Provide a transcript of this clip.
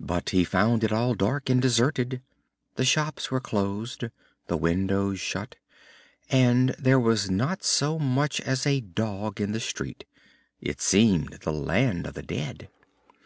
But he found it all dark and deserted. The shops were closed, the windows shut, and there was not so much as a dog in the street. It seemed the land of the dead.